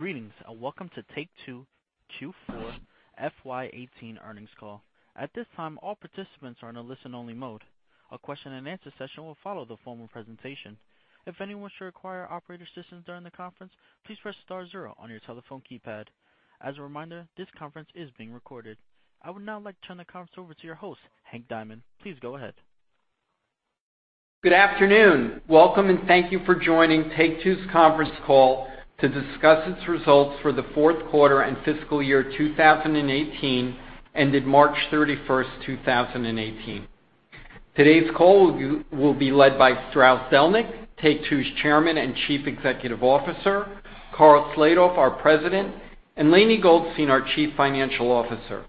Greetings, and welcome to Take-Two Q4 FY 2018 earnings call. At this time, all participants are in a listen-only mode. A question and answer session will follow the formal presentation. If anyone should require operator assistance during the conference, please press star zero on your telephone keypad. As a reminder, this conference is being recorded. I would now like to turn the conference over to your host, Hank Diamond. Please go ahead. Good afternoon. Welcome and thank you for joining Take-Two's conference call to discuss its results for the fourth quarter and fiscal year 2018, ended March 31, 2018. Today's call will be led by Strauss Zelnick, Take-Two's Chairman and Chief Executive Officer, Karl Slatoff, our President, and Lainie Goldstein, our Chief Financial Officer.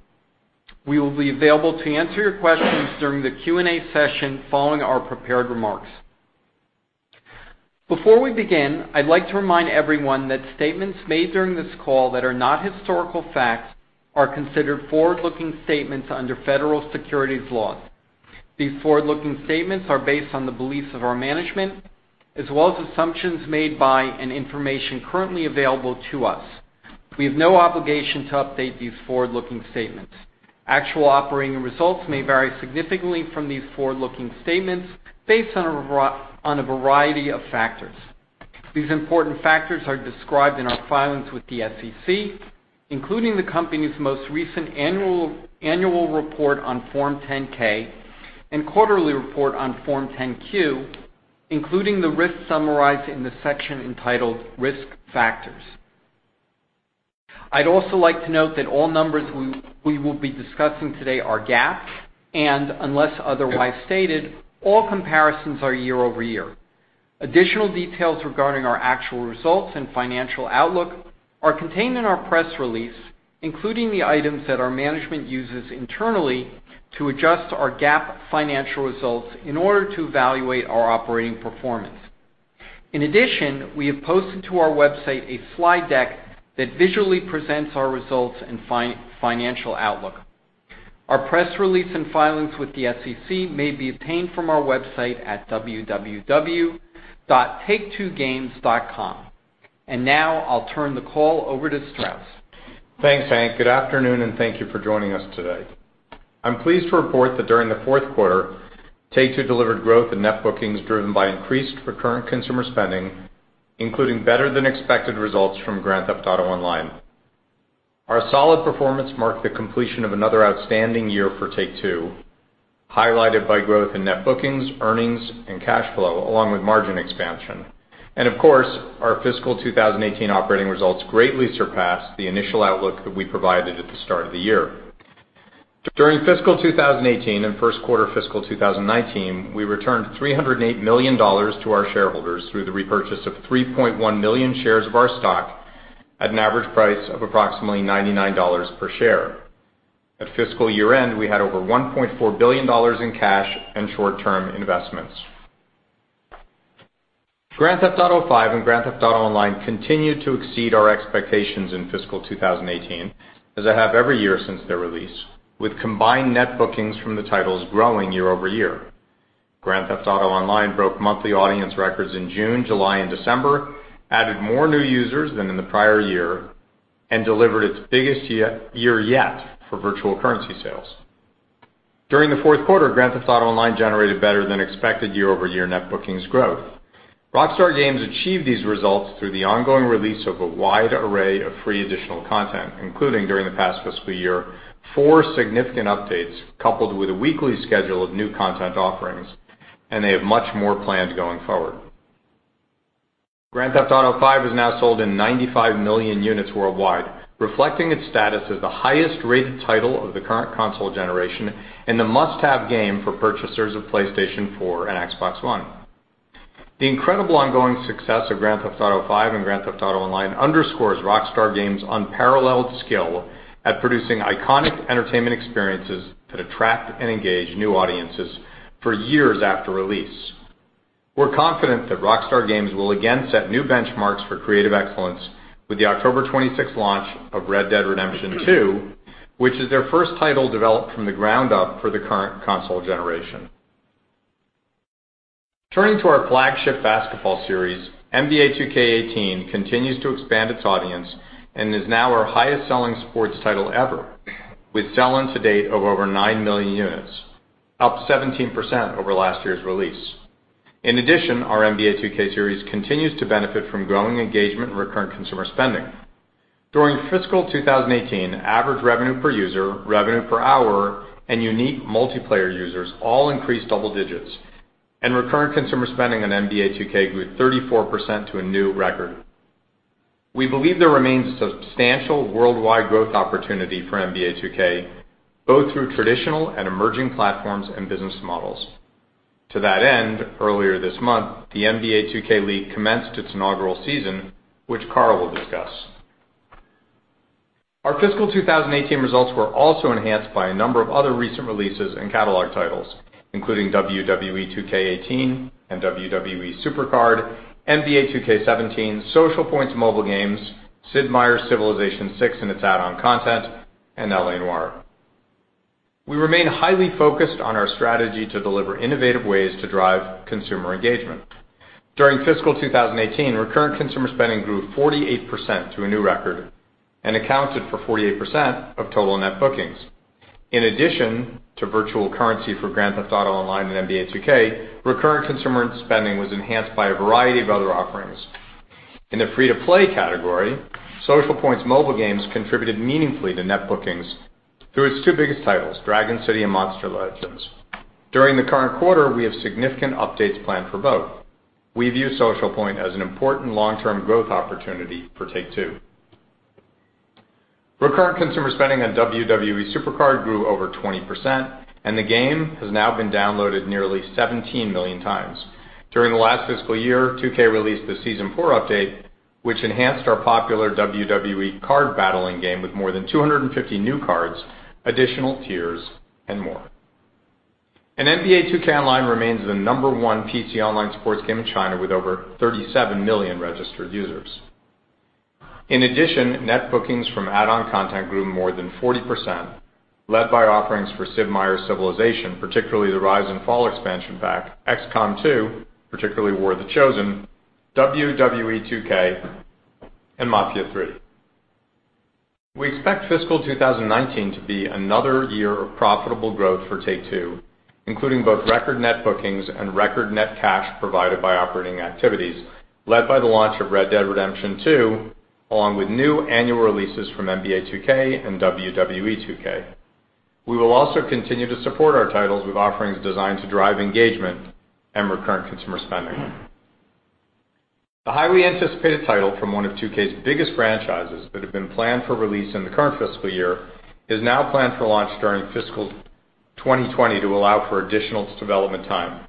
We will be available to answer your questions during the Q&A session following our prepared remarks. Before we begin, I'd like to remind everyone that statements made during this call that are not historical facts are considered forward-looking statements under federal securities laws. These forward-looking statements are based on the beliefs of our management, as well as assumptions made by and information currently available to us. We have no obligation to update these forward-looking statements. Actual operating results may vary significantly from these forward-looking statements based on a variety of factors. These important factors are described in our filings with the SEC, including the company's most recent annual report on Form 10-K and quarterly report on Form 10-Q, including the risks summarized in the section entitled Risk Factors. I'd also like to note that all numbers we will be discussing today are GAAP, and unless otherwise stated, all comparisons are year-over-year. Additional details regarding our actual results and financial outlook are contained in our press release, including the items that our management uses internally to adjust our GAAP financial results in order to evaluate our operating performance. In addition, we have posted to our website a slide deck that visually presents our results and financial outlook. Our press release and filings with the SEC may be obtained from our website at www.take2games.com. Now I'll turn the call over to Strauss. Thanks, Hank. Good afternoon, and thank you for joining us today. I'm pleased to report that during the fourth quarter, Take-Two delivered growth in net bookings driven by increased recurrent consumer spending, including better than expected results from Grand Theft Auto Online. Our solid performance marked the completion of another outstanding year for Take-Two, highlighted by growth in net bookings, earnings, and cash flow, along with margin expansion. Of course, our fiscal 2018 operating results greatly surpassed the initial outlook that we provided at the start of the year. During fiscal 2018 and first quarter fiscal 2019, we returned $308 million to our shareholders through the repurchase of 3.1 million shares of our stock at an average price of approximately $99 per share. At fiscal year-end, we had over $1.4 billion in cash and short-term investments. Grand Theft Auto V and Grand Theft Auto Online continued to exceed our expectations in fiscal 2018, as they have every year since their release, with combined net bookings from the titles growing year-over-year. Grand Theft Auto Online broke monthly audience records in June, July, and December, added more new users than in the prior year, and delivered its biggest year yet for virtual currency sales. During the fourth quarter, Grand Theft Auto Online generated better than expected year-over-year net bookings growth. Rockstar Games achieved these results through the ongoing release of a wide array of free additional content, including, during the past fiscal year, four significant updates, coupled with a weekly schedule of new content offerings, and they have much more planned going forward. Grand Theft Auto V has now sold in 95 million units worldwide, reflecting its status as the highest-rated title of the current console generation and the must-have game for purchasers of PlayStation 4 and Xbox One. The incredible ongoing success of Grand Theft Auto V and Grand Theft Auto Online underscores Rockstar Games' unparalleled skill at producing iconic entertainment experiences that attract and engage new audiences for years after release. We're confident that Rockstar Games will again set new benchmarks for creative excellence with the October 26th launch of Red Dead Redemption 2, which is their first title developed from the ground up for the current console generation. Turning to our flagship basketball series, NBA 2K18 continues to expand its audience and is now our highest-selling sports title ever, with sell-ins to date of over nine million units, up 17% over last year's release. In addition, our NBA 2K series continues to benefit from growing engagement and recurrent consumer spending. During fiscal 2018, average revenue per user, revenue per hour, and unique multiplayer users all increased double digits, and recurrent consumer spending on NBA 2K grew 34% to a new record. We believe there remains substantial worldwide growth opportunity for NBA 2K, both through traditional and emerging platforms and business models. To that end, earlier this month, the NBA 2K League commenced its inaugural season, which Karl will discuss. Our fiscal 2018 results were also enhanced by a number of other recent releases and catalog titles, including WWE 2K18 and WWE SuperCard, NBA 2K17, Social Point's mobile games, Sid Meier's Civilization VI and its add-on content, and L.A. Noire. We remain highly focused on our strategy to deliver innovative ways to drive consumer engagement. During fiscal 2018, recurrent consumer spending grew 48% to a new record and accounted for 48% of total net bookings. In addition to virtual currency for Grand Theft Auto Online and NBA 2K, recurrent consumer spending was enhanced by a variety of other offerings. In the free-to-play category, Social Point's mobile games contributed meaningfully to net bookings through its two biggest titles, Dragon City and Monster Legends. During the current quarter, we have significant updates planned for both. We view Social Point as an important long-term growth opportunity for Take-Two. Recurrent consumer spending on WWE SuperCard grew over 20%, and the game has now been downloaded nearly 17 million times. During the last fiscal year, 2K released the season four update, which enhanced our popular WWE card battling game with more than 250 new cards, additional tiers, and more. NBA 2K Online remains the number one PC online sports game in China with over 37 million registered users. In addition, net bookings from add-on content grew more than 40%, led by offerings for Sid Meier's Civilization, particularly the Rise and Fall expansion pack, XCOM 2, particularly War of the Chosen, WWE 2K, and Mafia III. We expect fiscal 2019 to be another year of profitable growth for Take-Two, including both record net bookings and record net cash provided by operating activities led by the launch of Red Dead Redemption 2, along with new annual releases from NBA 2K and WWE 2K. We will also continue to support our titles with offerings designed to drive engagement and recurrent consumer spending. A highly anticipated title from one of 2K's biggest franchises that had been planned for release in the current fiscal year is now planned for launch during fiscal 2020 to allow for additional development time.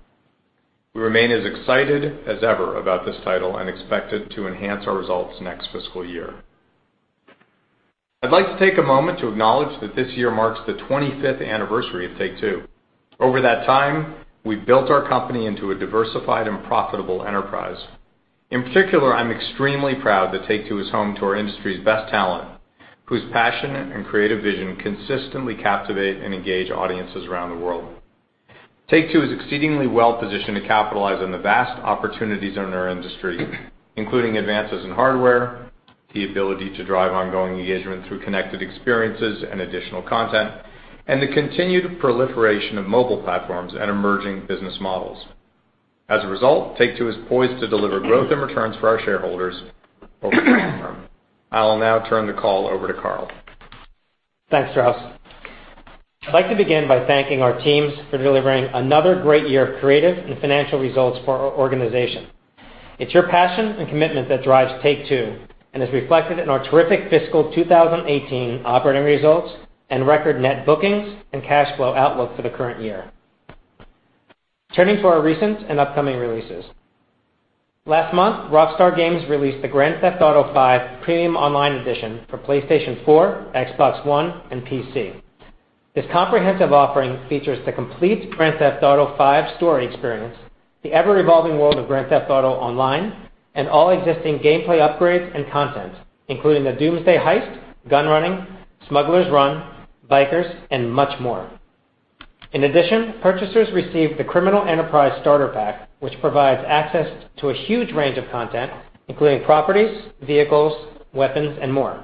We remain as excited as ever about this title and expect it to enhance our results next fiscal year. I'd like to take a moment to acknowledge that this year marks the 25th anniversary of Take-Two. Over that time, we've built our company into a diversified and profitable enterprise. In particular, I'm extremely proud that Take-Two is home to our industry's best talent, whose passion and creative vision consistently captivate and engage audiences around the world. Take-Two is exceedingly well-positioned to capitalize on the vast opportunities in our industry, including advances in hardware, the ability to drive ongoing engagement through connected experiences and additional content, and the continued proliferation of mobile platforms and emerging business models. As a result, Take-Two is poised to deliver growth and returns for our shareholders over the long term. I will now turn the call over to Karl. Thanks, Strauss. I'd like to begin by thanking our teams for delivering another great year of creative and financial results for our organization. It's your passion and commitment that drives Take-Two and is reflected in our terrific fiscal 2018 operating results and record net bookings and cash flow outlook for the current year. Turning to our recent and upcoming releases. Last month, Rockstar Games released the Grand Theft Auto V: Premium Online Edition for PlayStation 4, Xbox One, and PC. This comprehensive offering features the complete Grand Theft Auto V story experience, the ever-evolving world of Grand Theft Auto Online, and all existing gameplay upgrades and content, including The Doomsday Heist, Gunrunning, Smuggler's Run, Bikers, and much more. In addition, purchasers receive the Criminal Enterprise Starter Pack, which provides access to a huge range of content, including properties, vehicles, weapons, and more.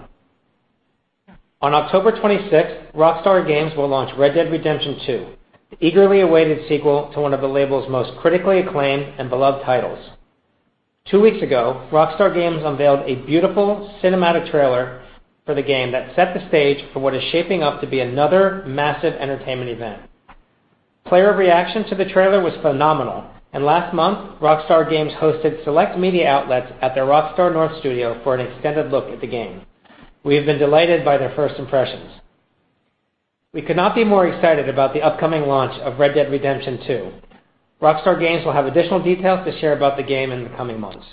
On October 26th, Rockstar Games will launch Red Dead Redemption 2, the eagerly awaited sequel to one of the label's most critically acclaimed and beloved titles. Two weeks ago, Rockstar Games unveiled a beautiful cinematic trailer for the game that set the stage for what is shaping up to be another massive entertainment event. Player reaction to the trailer was phenomenal, and last month, Rockstar Games hosted select media outlets at their Rockstar North Studio for an extended look at the game. We have been delighted by their first impressions. We could not be more excited about the upcoming launch of Red Dead Redemption 2. Rockstar Games will have additional details to share about the game in the coming months.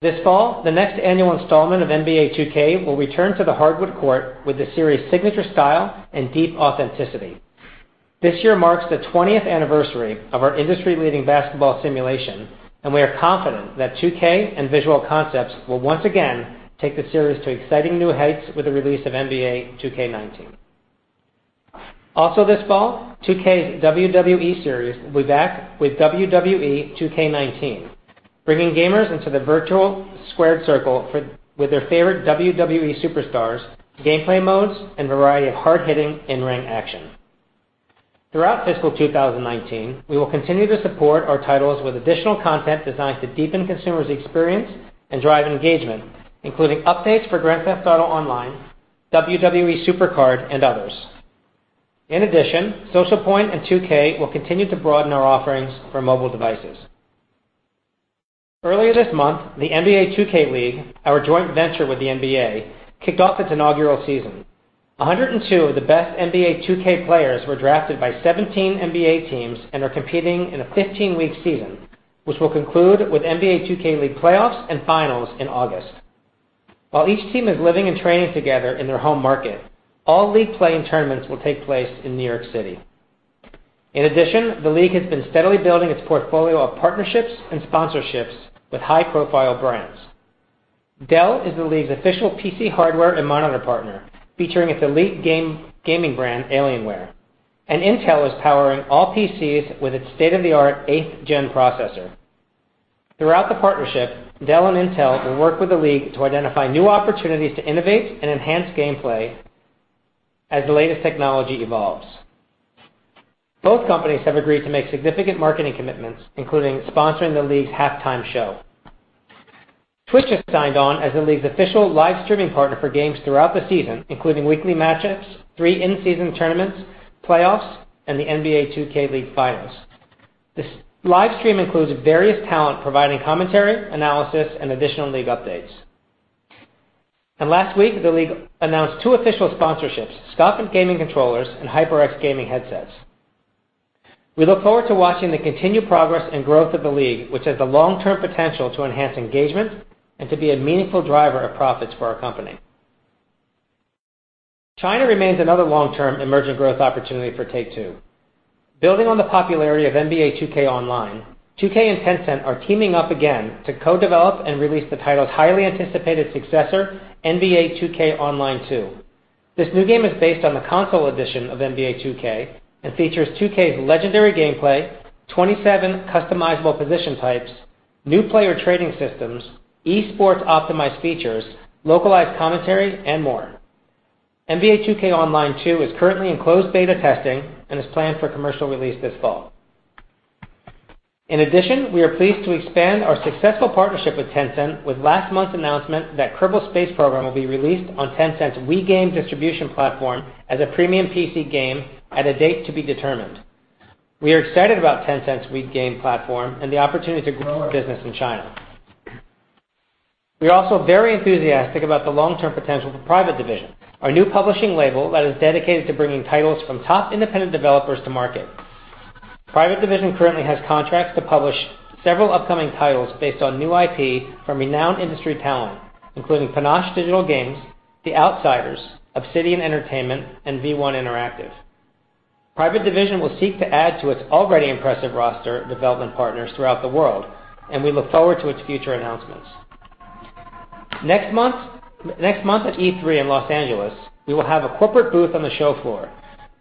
This fall, the next annual installment of NBA 2K will return to the hardwood court with the series' signature style and deep authenticity. This year marks the 20th anniversary of our industry-leading basketball simulation, and we are confident that 2K and Visual Concepts will once again take the series to exciting new heights with the release of NBA 2K19. This fall, 2K's WWE series will be back with WWE 2K19, bringing gamers into the virtual squared circle with their favorite WWE superstars, gameplay modes, and a variety of hard-hitting in-ring action. Throughout fiscal 2019, we will continue to support our titles with additional content designed to deepen consumers' experience and drive engagement, including updates for Grand Theft Auto Online, WWE SuperCard, and others. In addition, Social Point and 2K will continue to broaden our offerings for mobile devices. Earlier this month, the NBA 2K League, our joint venture with the NBA, kicked off its inaugural season. 102 of the best NBA 2K players were drafted by 17 NBA teams and are competing in a 15-week season, which will conclude with NBA 2K League playoffs and finals in August. While each team is living and training together in their home market, all league play and tournaments will take place in New York City. In addition, the league has been steadily building its portfolio of partnerships and sponsorships with high-profile brands. Dell is the league's official PC hardware and monitor partner, featuring its elite gaming brand, Alienware. Intel is powering all PCs with its state-of-the-art eighth-gen processor. Throughout the partnership, Dell and Intel will work with the league to identify new opportunities to innovate and enhance gameplay as the latest technology evolves. Both companies have agreed to make significant marketing commitments, including sponsoring the league's halftime show. Twitch has signed on as the league's official live streaming partner for games throughout the season, including weekly matchups, three in-season tournaments, playoffs, and the NBA 2K League Finals. This live stream includes various talent providing commentary, analysis, and additional league updates. Last week, the league announced two official sponsorships, Scuf Gaming Controllers and HyperX Gaming Headsets. We look forward to watching the continued progress and growth of the league, which has the long-term potential to enhance engagement and to be a meaningful driver of profits for our company. China remains another long-term emergent growth opportunity for Take-Two. Building on the popularity of NBA 2K Online, 2K and Tencent are teaming up again to co-develop and release the title's highly anticipated successor, NBA 2K Online 2. This new game is based on the console edition of NBA 2K and features 2K's legendary gameplay, 27 customizable position types, new player trading systems, esports-optimized features, localized commentary, and more. NBA 2K Online 2 is currently in closed beta testing and is planned for commercial release this fall. In addition, we are pleased to expand our successful partnership with Tencent with last month's announcement that Kerbal Space Program will be released on Tencent's WeGame distribution platform as a premium PC game at a date to be determined. We are excited about Tencent's WeGame platform and the opportunity to grow our business in China. We are also very enthusiastic about the long-term potential for Private Division, our new publishing label that is dedicated to bringing titles from top independent developers to market. Private Division currently has contracts to publish several upcoming titles based on new IP from renowned industry talent, including Panache Digital Games, The Outsiders, Obsidian Entertainment, and V1 Interactive. Private Division will seek to add to its already impressive roster of development partners throughout the world, and we look forward to its future announcements. Next month at E3 in Los Angeles, we will have a corporate booth on the show floor.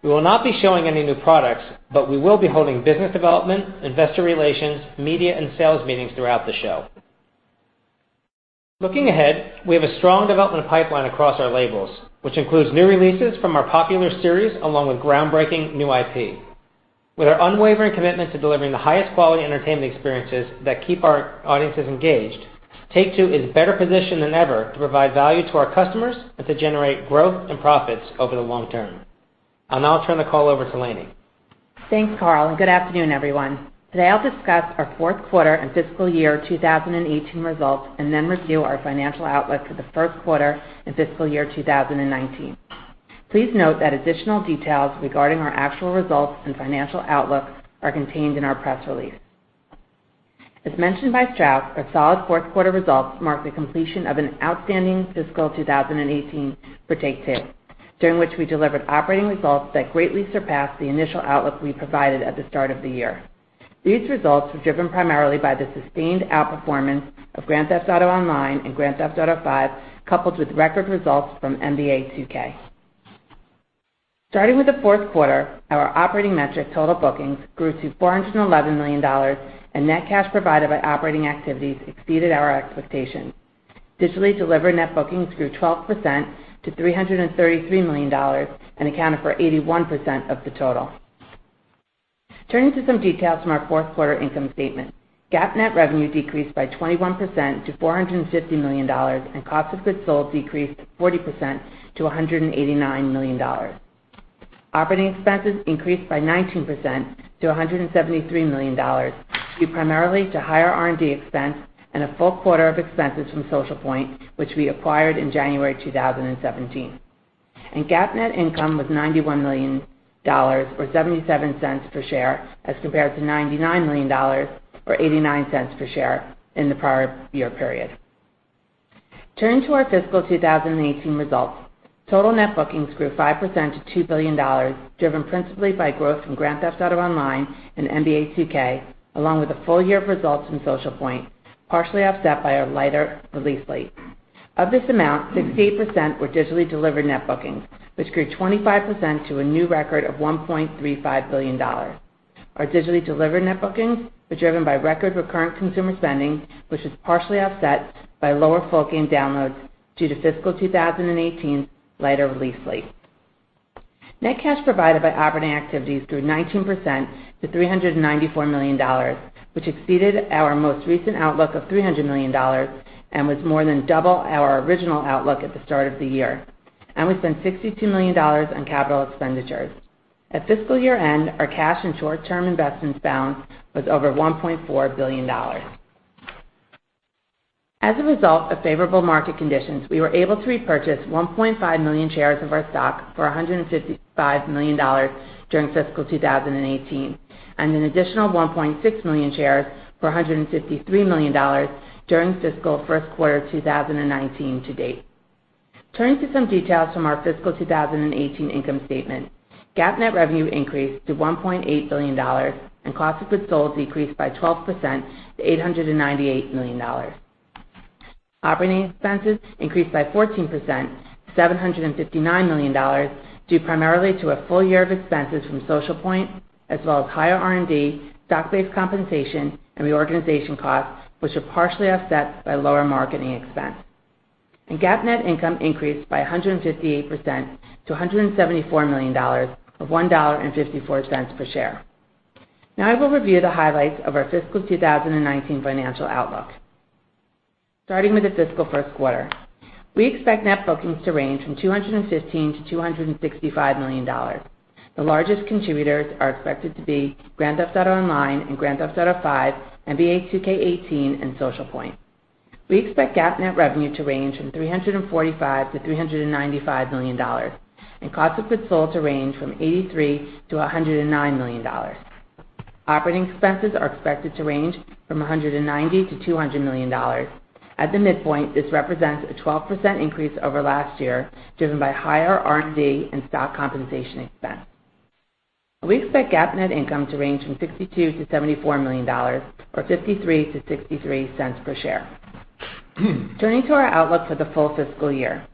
We will not be showing any new products, but we will be holding business development, investor relations, media, and sales meetings throughout the show. Looking ahead, we have a strong development pipeline across our labels, which includes new releases from our popular series, along with groundbreaking new IP. With our unwavering commitment to delivering the highest quality entertainment experiences that keep our audiences engaged, Take-Two is better positioned than ever to provide value to our customers and to generate growth and profits over the long term. I'll now turn the call over to Lainie. Thanks, Karl, and good afternoon, everyone. Today, I'll discuss our fourth quarter and fiscal year 2018 results and then review our financial outlook for the first quarter and fiscal year 2019. Please note that additional details regarding our actual results and financial outlook are contained in our press release. As mentioned by Strauss, our solid fourth quarter results mark the completion of an outstanding fiscal 2018 for Take-Two, during which we delivered operating results that greatly surpassed the initial outlook we provided at the start of the year. These results were driven primarily by the sustained outperformance of Grand Theft Auto Online and Grand Theft Auto V, coupled with record results from NBA 2K. Starting with the fourth quarter, our operating metric total bookings grew to $411 million, and net cash provided by operating activities exceeded our expectations. Digitally delivered net bookings grew 12% to $333 million and accounted for 81% of the total. Turning to some details from our fourth quarter income statement. GAAP net revenue decreased by 21% to $450 million and cost of goods sold decreased 40% to $189 million. Operating expenses increased by 19% to $173 million, due primarily to higher R&D expense and a full quarter of expenses from Social Point, which we acquired in January 2017. GAAP net income was $91 million, or $0.77 per share, as compared to $99 million, or $0.89 per share in the prior year period. Turning to our fiscal 2018 results, total net bookings grew 5% to $2 billion, driven principally by growth in Grand Theft Auto Online and NBA 2K, along with a full year of results from Social Point, partially offset by our lighter release slate. Of this amount, 68% were digitally delivered net bookings, which grew 25% to a new record of $1.35 billion. Our digitally delivered net bookings were driven by record recurrent consumer spending, which was partially offset by lower full game downloads due to fiscal 2018's lighter release slate. Net cash provided by operating activities grew 19% to $394 million, which exceeded our most recent outlook of $300 million and was more than double our original outlook at the start of the year. We spent $62 million on capital expenditures. At fiscal year-end, our cash and short-term investments balance was over $1.4 billion. As a result of favorable market conditions, we were able to repurchase 1.5 million shares of our stock for $155 million during fiscal 2018 and an additional 1.6 million shares for $153 million during fiscal first quarter 2019 to date. Turning to some details from our fiscal 2018 income statement. GAAP net revenue increased to $1.8 billion, and cost of goods sold decreased by 12% to $898 million. Operating expenses increased by 14%, $759 million due primarily to a full year of expenses from Social Point, as well as higher R&D, stock-based compensation, and reorganization costs, which are partially offset by lower marketing expense. GAAP net income increased by 158% to $174 million, of $1.54 per share. Now I will review the highlights of our fiscal 2019 financial outlook. Starting with the fiscal first quarter, we expect net bookings to range from $215 million to $265 million. The largest contributors are expected to be Grand Theft Auto Online and Grand Theft Auto V, NBA 2K18 and Social Point. We expect GAAP net revenue to range from $345 million to $395 million, and cost of goods sold to range from $83 million to $109 million. Operating expenses are expected to range from $190 million to $200 million. At the midpoint, this represents a 12% increase over last year, driven by higher R&D and stock compensation expense. We expect GAAP net income to range from $62 million to $74 million, or $0.53 to $0.63 per share. Turning to our outlook for the full fiscal year.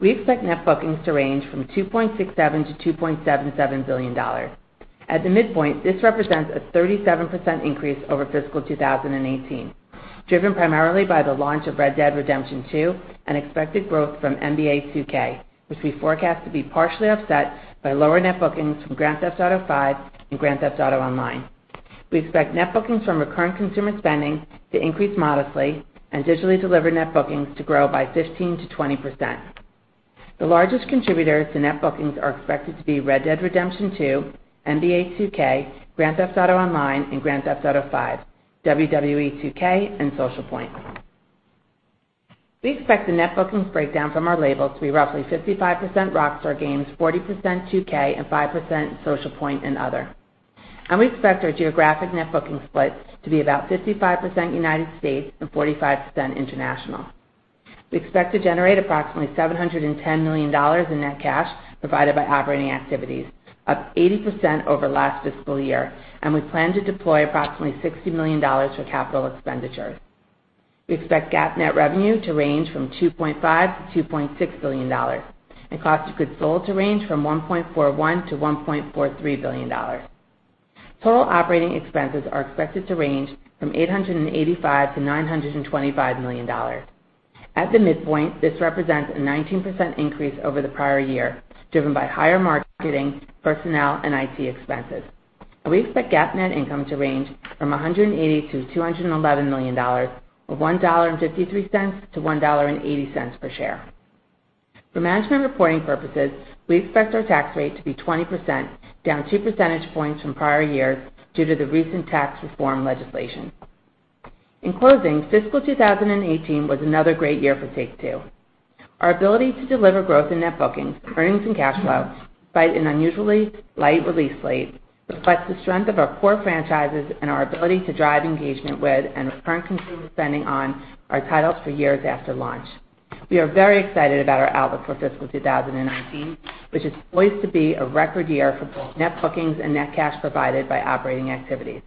We expect net bookings to range from $2.67 billion to $2.77 billion. At the midpoint, this represents a 37% increase over fiscal 2018, driven primarily by the launch of Red Dead Redemption 2 and expected growth from NBA 2K, which we forecast to be partially offset by lower net bookings from Grand Theft Auto V and Grand Theft Auto Online. We expect net bookings from recurring consumer spending to increase modestly and digitally delivered net bookings to grow by 15%-20%. The largest contributors to net bookings are expected to be Red Dead Redemption 2, NBA 2K, Grand Theft Auto Online, and Grand Theft Auto V, WWE 2K and Social Point. We expect the net bookings breakdown from our labels to be roughly 55% Rockstar Games, 40% 2K, and 5% Social Point and other. We expect our geographic net bookings split to be about 55% United States and 45% international. We expect to generate approximately $710 million in net cash provided by operating activities, up 80% over last fiscal year, and we plan to deploy approximately $60 million for capital expenditures. We expect GAAP net revenue to range from $2.5 billion-$2.6 billion and cost of goods sold to range from $1.41 billion-$1.43 billion. Total operating expenses are expected to range from $885 million-$925 million. At the midpoint, this represents a 19% increase over the prior year, driven by higher marketing, personnel, and IT expenses. We expect GAAP net income to range from $180 million-$211 million, or $1.53-$1.80 per share. For management reporting purposes, we expect our tax rate to be 20%, down two percentage points from prior years due to the recent tax reform legislation. In closing, fiscal 2018 was another great year for Take-Two. Our ability to deliver growth in net bookings, earnings, and cash flows despite an unusually light release slate reflects the strength of our core franchises and our ability to drive engagement with and recurring consumer spending on our titles for years after launch. We are very excited about our outlook for fiscal 2019, which is poised to be a record year for both net bookings and net cash provided by operating activities.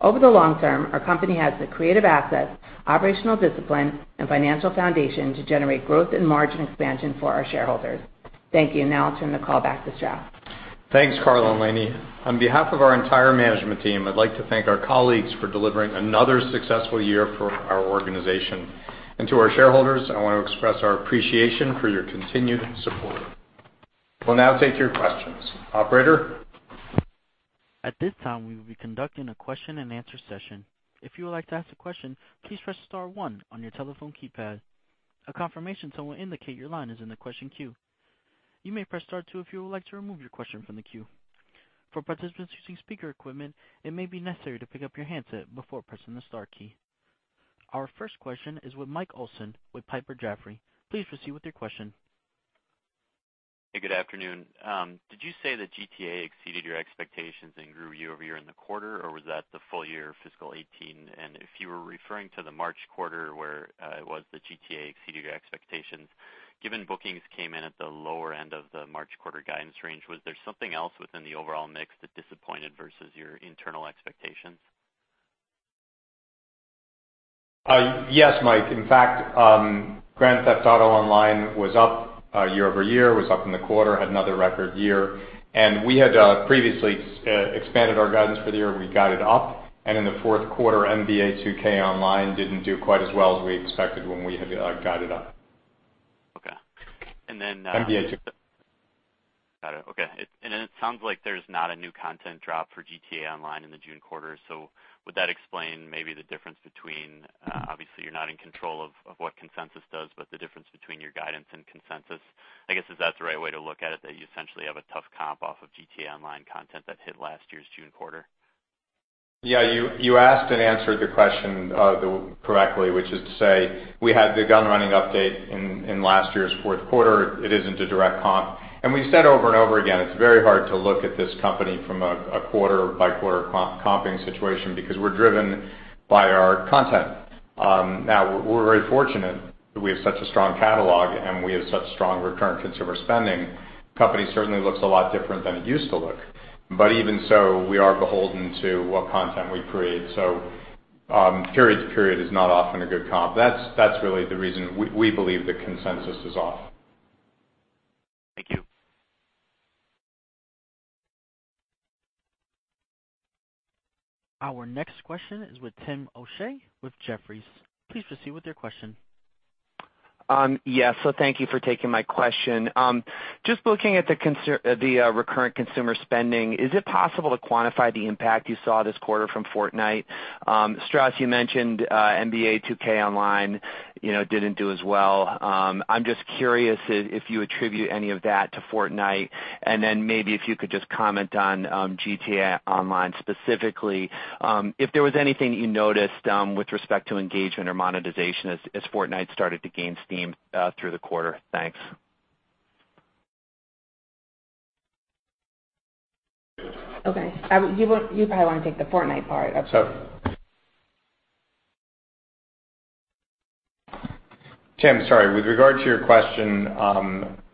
Over the long term, our company has the creative assets, operational discipline, and financial foundation to generate growth and margin expansion for our shareholders. Thank you. Now I'll turn the call back to Strauss. Thanks, Karl and Lainie. On behalf of our entire management team, I'd like to thank our colleagues for delivering another successful year for our organization. To our shareholders, I want to express our appreciation for your continued support. We'll now take your questions. Operator? At this time, we will be conducting a question and answer session. If you would like to ask a question, please press star one on your telephone keypad. A confirmation tone will indicate your line is in the question queue. You may press star two if you would like to remove your question from the queue. For participants using speaker equipment, it may be necessary to pick up your handset before pressing the star key. Our first question is with Michael Olson with Piper Jaffray. Please proceed with your question. Hey, good afternoon. Did you say that GTA exceeded your expectations and grew year-over-year in the quarter, or was that the full year fiscal 2018? If you were referring to the March quarter where it was the GTA exceeded your expectations, given bookings came in at the lower end of the March quarter guidance range, was there something else within the overall mix that disappointed versus your internal expectations? Yes, Mike. In fact, Grand Theft Auto Online was up year-over-year, was up in the quarter, had another record year, and we had previously expanded our guidance for the year. We guided up, and in the fourth quarter, NBA 2K Online didn't do quite as well as we expected when we had guided up. Okay. NBA 2K. Got it. Okay. It sounds like there's not a new content drop for GTA Online in the June quarter. Would that explain maybe the difference between, obviously you're not in control of what consensus does, but the difference between your guidance and consensus? I guess, is that the right way to look at it, that you essentially have a tough comp off of GTA Online content that hit last year's June quarter? Yeah, you asked and answered the question correctly, which is to say we had the Gunrunning update in last year's fourth quarter. It isn't a direct comp. We've said over and over again, it's very hard to look at this company from a quarter-by-quarter comping situation because we're driven by our content. Now we're very fortunate that we have such a strong catalog and we have such strong recurrent consumer spending. Company certainly looks a lot different than it used to look, but even so, we are beholden to what content we create. Period to period is not often a good comp. That's really the reason we believe the consensus is off. Thank you. Our next question is with Timothy O'Shea with Jefferies. Please proceed with your question. Yes. Thank you for taking my question. Just looking at the recurrent consumer spending, is it possible to quantify the impact you saw this quarter from Fortnite? Strauss, you mentioned NBA 2K Online didn't do as well. I'm just curious if you attribute any of that to Fortnite, and then maybe if you could just comment on GTA Online specifically, if there was anything that you noticed with respect to engagement or monetization as Fortnite started to gain steam through the quarter. Thanks. Okay. You probably want to take the Fortnite part. Sure. Tim, sorry. With regard to your question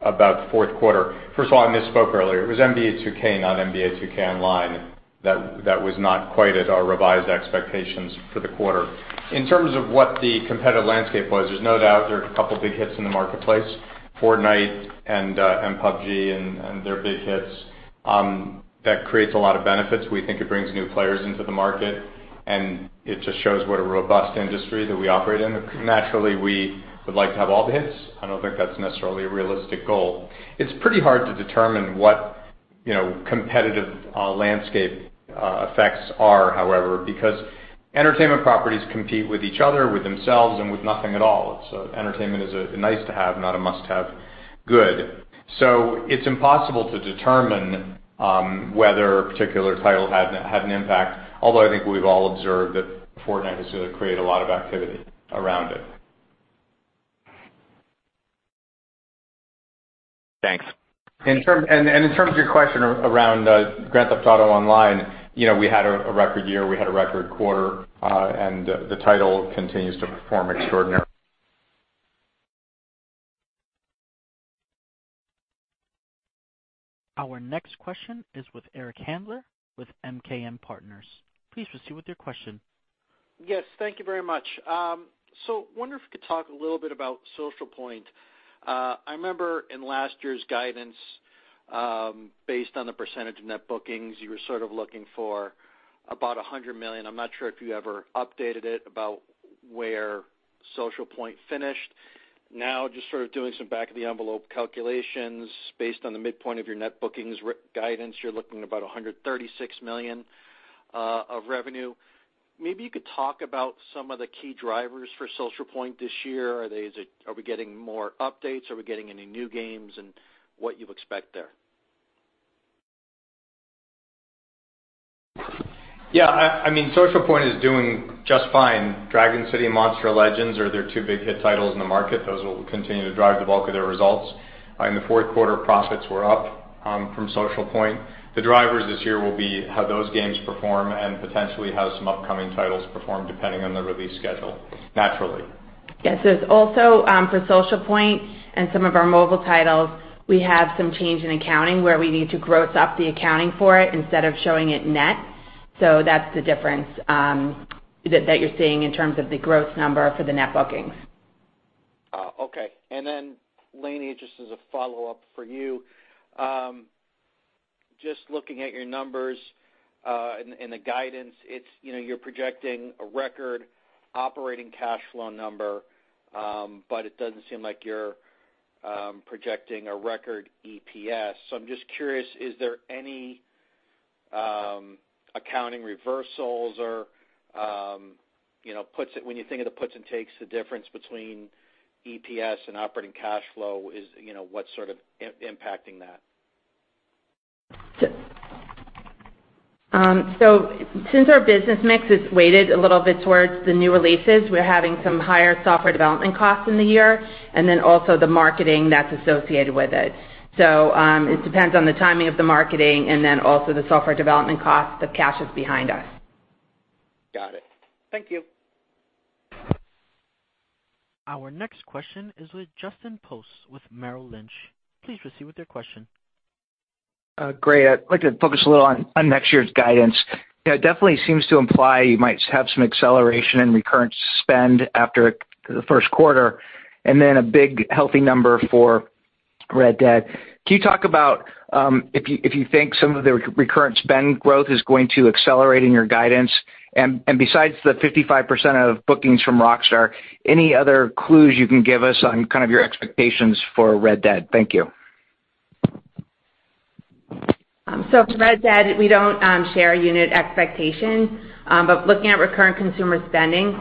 about the fourth quarter, first of all, I misspoke earlier. It was NBA 2K, not NBA 2K Online, that was not quite at our revised expectations for the quarter. In terms of what the competitive landscape was, there's no doubt there's a couple big hits in the marketplace, Fortnite and PUBG, and they're big hits. That creates a lot of benefits. We think it brings new players into the market, and it just shows what a robust industry that we operate in. Naturally, we would like to have all the hits. I don't think that's necessarily a realistic goal. It's pretty hard to determine what competitive landscape effects are, however, because entertainment properties compete with each other, with themselves, and with nothing at all. Entertainment is a nice to have, not a must-have good. It's impossible to determine whether a particular title had an impact, although I think we've all observed that Fortnite has created a lot of activity around it. Thanks. In terms of your question around Grand Theft Auto Online, we had a record year, we had a record quarter, and the title continues to perform extraordinarily. Our next question is with Eric Handler with MKM Partners. Please proceed with your question. Thank you very much. Wonder if you could talk a little bit about Social Point. I remember in last year's guidance, based on the percentage of net bookings, you were sort of looking for about $100 million. I'm not sure if you ever updated it about where Social Point finished. Just sort of doing some back of the envelope calculations based on the midpoint of your net bookings guidance, you're looking at about $136 million of revenue. Maybe you could talk about some of the key drivers for Social Point this year. Are we getting more updates? Are we getting any new games, and what you expect there? Social Point is doing just fine. Dragon City and Monster Legends are their two big hit titles in the market. Those will continue to drive the bulk of their results. In the fourth quarter, profits were up from Social Point. The drivers this year will be how those games perform and potentially how some upcoming titles perform, depending on the release schedule, naturally. Also for Social Point and some of our mobile titles, we have some change in accounting where we need to gross up the accounting for it instead of showing it net. That's the difference that you're seeing in terms of the gross number for the net bookings. Okay. Lainie, just as a follow-up for you. Just looking at your numbers and the guidance, you're projecting a record operating cash flow number. It doesn't seem like you're projecting a record EPS. I'm just curious, is there any accounting reversals or when you think of the puts and takes, the difference between EPS and operating cash flow, what's sort of impacting that? Since our business mix is weighted a little bit towards the new releases, we're having some higher software development costs in the year, and also the marketing that's associated with it. It depends on the timing of the marketing and also the software development cost of cash behind us. Got it. Thank you. Our next question is with Justin Post with Merrill Lynch. Please proceed with your question. Great. I'd like to focus a little on next year's guidance. It definitely seems to imply you might have some acceleration in recurrent spend after the first quarter, and a big, healthy number for Red Dead. Can you talk about if you think some of the recurrent spend growth is going to accelerate in your guidance? Besides the 55% of bookings from Rockstar, any other clues you can give us on kind of your expectations for Red Dead? Thank you. For Red Dead, we don't share unit expectations. Looking at recurrent consumer spending,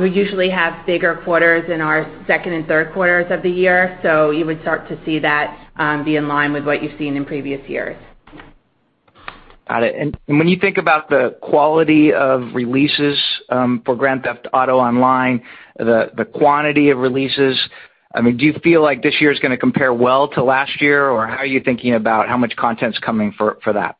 we usually have bigger quarters in our second and third quarters of the year. You would start to see that be in line with what you've seen in previous years. Got it. When you think about the quality of releases for Grand Theft Auto Online, the quantity of releases, do you feel like this year is going to compare well to last year? How are you thinking about how much content's coming for that?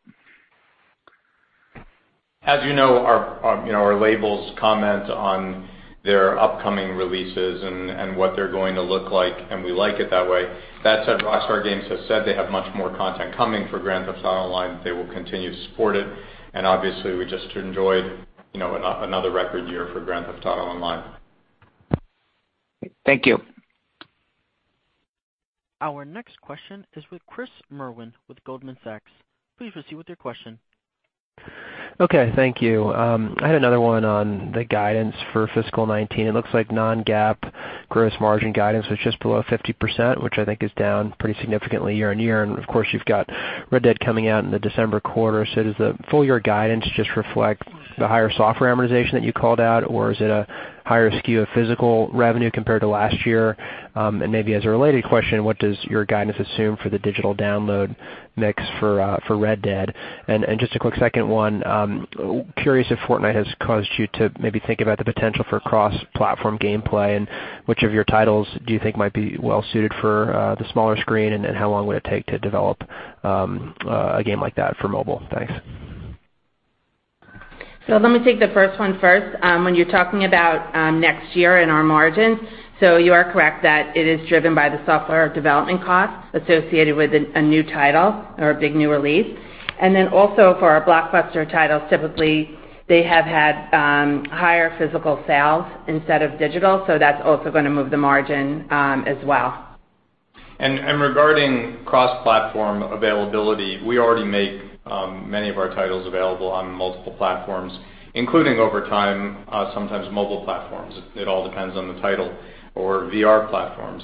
As you know, our labels comment on their upcoming releases and what they're going to look like, and we like it that way. That said, Rockstar Games has said they have much more content coming for Grand Theft Auto Online. They will continue to support it, and obviously, we just enjoyed another record year for Grand Theft Auto Online. Thank you. Our next question is with Chris Merwin with Goldman Sachs. Please proceed with your question. Okay. Thank you. I had another one on the guidance for fiscal 2019. It looks like non-GAAP gross margin guidance was just below 50%, which I think is down pretty significantly year-over-year, and of course, you've got Red Dead coming out in the December quarter. Does the full year guidance just reflect the higher software amortization that you called out, or is it a higher SKU of physical revenue compared to last year? And maybe as a related question, what does your guidance assume for the digital download mix for Red Dead? And just a quick second one. Curious if Fortnite has caused you to maybe think about the potential for cross-platform gameplay, and which of your titles do you think might be well suited for the smaller screen, and then how long would it take to develop a game like that for mobile? Thanks. Let me take the first one first. When you're talking about next year and our margin, you are correct that it is driven by the software development costs associated with a new title or a big new release. Also for our blockbuster titles, typically, they have had higher physical sales instead of digital, that's also going to move the margin as well. Regarding cross-platform availability, we already make many of our titles available on multiple platforms, including over time, sometimes mobile platforms. It all depends on the title or VR platform.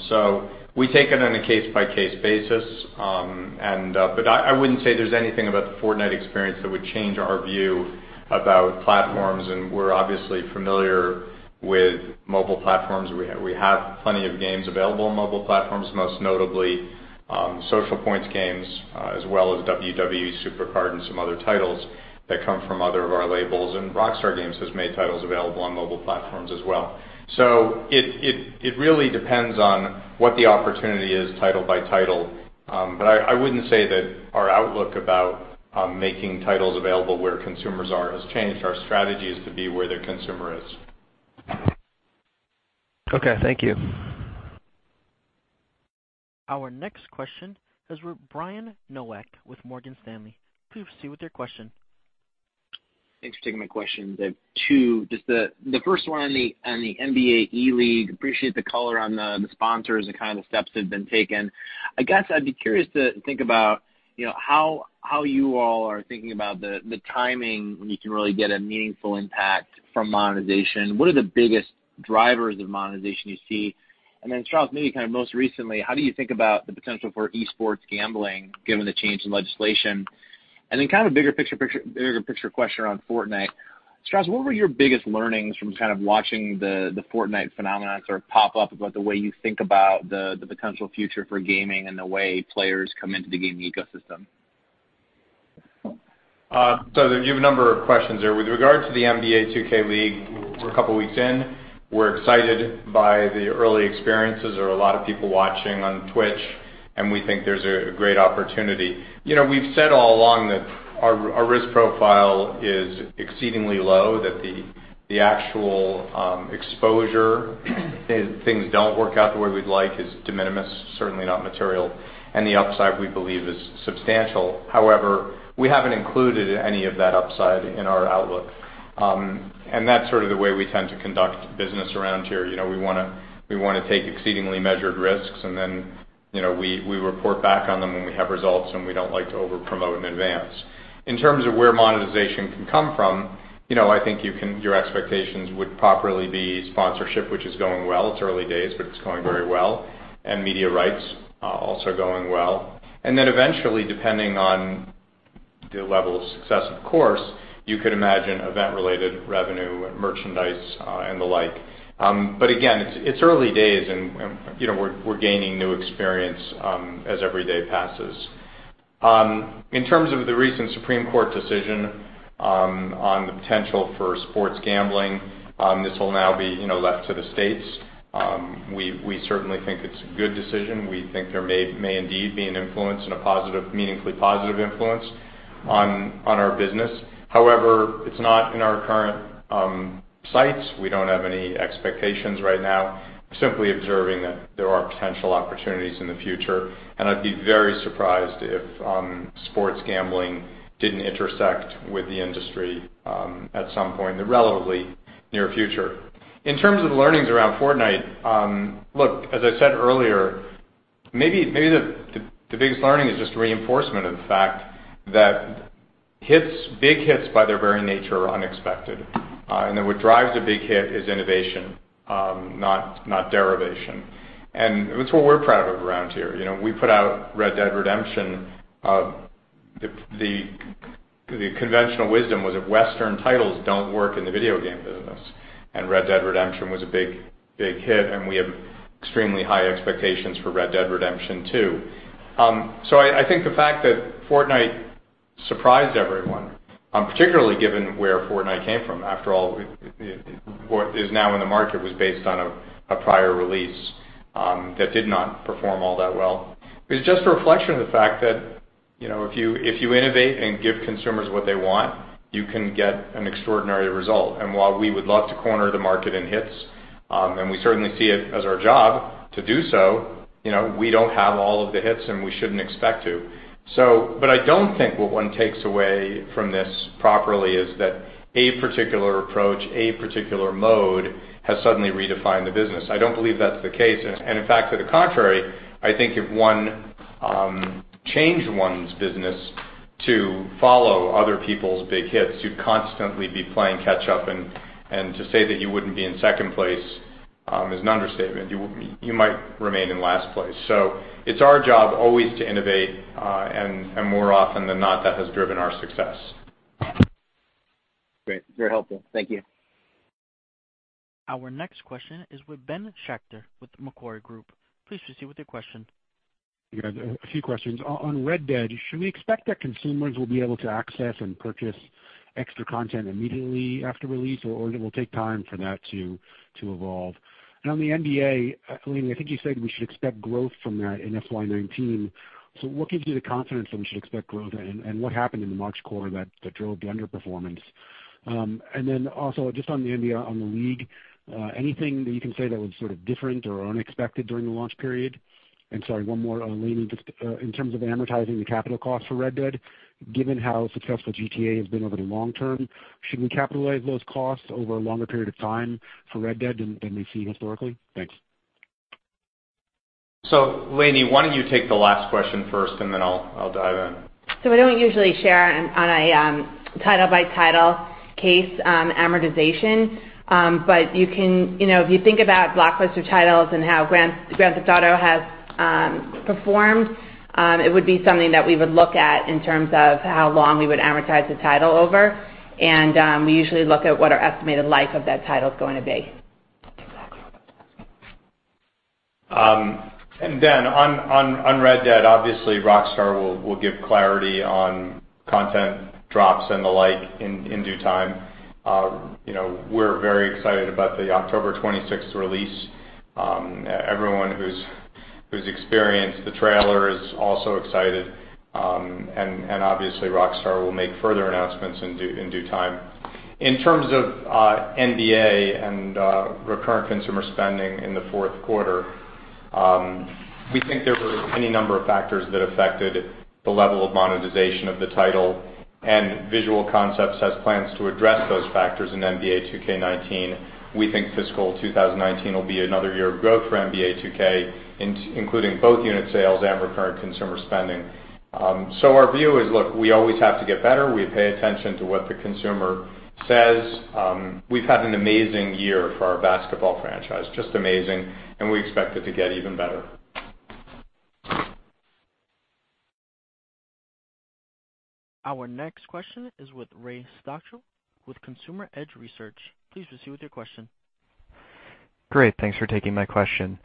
We take it on a case-by-case basis, but I wouldn't say there's anything about the Fortnite experience that would change our view about platforms, and we're obviously familiar with mobile platforms. We have plenty of games available on mobile platforms, most notably Social Point games as well as WWE SuperCard and some other titles that come from other of our labels, and Rockstar Games has made titles available on mobile platforms as well. It really depends on what the opportunity is title by title. I wouldn't say that our outlook about making titles available where consumers are has changed. Our strategy is to be where the consumer is. Okay. Thank you. Our next question is with Brian Nowak with Morgan Stanley. Please proceed with your question. Thanks for taking my questions. I have two. The first one on the NBA 2K League. Appreciate the color on the sponsors and kind of the steps that have been taken. I'd be curious to think about how you all are thinking about the timing when you can really get a meaningful impact from monetization. What are the biggest drivers of monetization you see? Strauss, maybe kind of most recently, how do you think about the potential for esports gambling given the change in legislation? A bigger picture question around Fortnite. Strauss, what were your biggest learnings from kind of watching the Fortnite phenomenon sort of pop up about the way you think about the potential future for gaming and the way players come into the gaming ecosystem? You have a number of questions there. With regard to the NBA 2K League, we're a couple of weeks in. We're excited by the early experiences. There are a lot of people watching on Twitch, and we think there's a great opportunity. We've said all along that our risk profile is exceedingly low, that the actual exposure if things don't work out the way we'd like is de minimis, certainly not material, and the upside, we believe, is substantial. However, we haven't included any of that upside in our outlook. That's sort of the way we tend to conduct business around here. We want to take exceedingly measured risks, and then we report back on them when we have results, and we don't like to over-promote in advance. In terms of where monetization can come from, I think your expectations would properly be sponsorship, which is going well. It's early days, but it's going very well, media rights are also going well. Eventually, depending on the level of success, of course, you could imagine event-related revenue, merchandise, and the like. Again, it's early days, and we're gaining new experience as every day passes. In terms of the recent Supreme Court of the United States decision on the potential for sports gambling, this will now be left to the states. We certainly think it's a good decision. We think there may indeed be an influence and a meaningfully positive influence on our business. However, it's not in our current sights. We don't have any expectations right now. Simply observing that there are potential opportunities in the future, I'd be very surprised if sports gambling didn't intersect with the industry at some point in the relatively near future. In terms of the learnings around Fortnite, look, as I said earlier, maybe the biggest learning is just reinforcement of the fact that big hits, by their very nature, are unexpected. What drives a big hit is innovation, not derivation. That's what we're proud of around here. We put out Red Dead Redemption. The conventional wisdom was that Western titles don't work in the video game business, Red Dead Redemption was a big hit, we have extremely high expectations for Red Dead Redemption 2. I think the fact that Fortnite surprised everyone, particularly given where Fortnite came from, after all, what is now in the market was based on a prior release that did not perform all that well. It's just a reflection of the fact that if you innovate and give consumers what they want, you can get an extraordinary result. While we would love to corner the market in hits, we certainly see it as our job to do so, we don't have all of the hits, we shouldn't expect to. I don't think what one takes away from this properly is that a particular approach, a particular mode, has suddenly redefined the business. I don't believe that's the case. In fact, to the contrary, I think if one changed one's business to follow other people's big hits, you'd constantly be playing catch up, to say that you wouldn't be in second place is an understatement. You might remain in last place. It's our job always to innovate, more often than not, that has driven our success. Great. Very helpful. Thank you. Our next question is with Ben Schachter with Macquarie Group. Please proceed with your question. Yes, a few questions. On Red Dead, should we expect that consumers will be able to access and purchase extra content immediately after release, or it will take time for that to evolve? On the NBA, Lainie, I think you said we should expect growth from that in FY 2019. What gives you the confidence that we should expect growth, and what happened in the March quarter that drove the underperformance? Also just on the NBA, on the league, anything that you can say that was sort of different or unexpected during the launch period? Sorry, one more on Lainie. Just in terms of amortizing the capital cost for Red Dead, given how successful GTA has been over the long term, should we capitalize those costs over a longer period of time for Red Dead than we've seen historically? Thanks. Lainie, why don't you take the last question first, and then I'll dive in. We don't usually share on a title-by-title case amortization. If you think about blockbuster titles and how Grand Theft Auto has performed, it would be something that we would look at in terms of how long we would amortize the title over. We usually look at what our estimated life of that title is going to be. Ben, on Red Dead, obviously Rockstar will give clarity on content drops and the like in due time. We are very excited about the October 26th release. Everyone who has experienced the trailer is also excited. Obviously Rockstar will make further announcements in due time. In terms of NBA and recurrent consumer spending in the fourth quarter, we think there were any number of factors that affected the level of monetization of the title, and Visual Concepts has plans to address those factors in NBA 2K19. We think fiscal 2019 will be another year of growth for NBA 2K, including both unit sales and recurrent consumer spending. Our view is, look, we always have to get better. We pay attention to what the consumer says. We have had an amazing year for our basketball franchise, just amazing, and we expect it to get even better. Our next question is with Ray Stochel with Consumer Edge Research. Please proceed with your question. Great. Thanks for taking my question.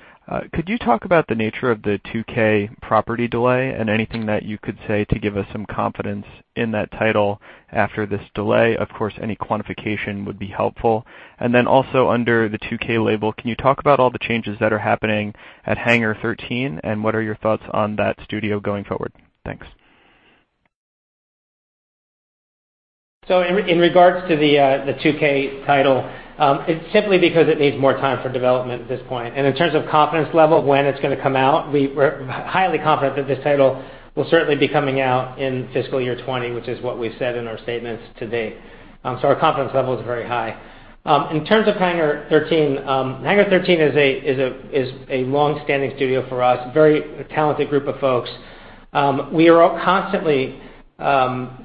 Could you talk about the nature of the 2K property delay and anything that you could say to give us some confidence in that title after this delay? Of course, any quantification would be helpful. Also under the 2K label, can you talk about all the changes that are happening at Hangar 13, and what are your thoughts on that studio going forward? Thanks. In regards to the 2K title, it is simply because it needs more time for development at this point. In terms of confidence level of when it is going to come out, we are highly confident that this title will certainly be coming out in fiscal year 2020, which is what we have said in our statements to date. Our confidence level is very high. In terms of Hangar 13, Hangar 13 is a longstanding studio for us, a very talented group of folks. We are constantly